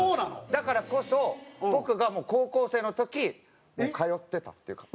だからこそ僕が高校生の時通ってたっていうか。